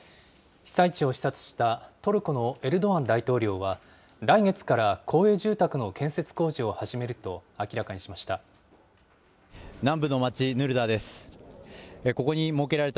被災地を視察したトルコのエルドアン大統領は、来月から公営住宅の建設工事を始めると明らかにしました。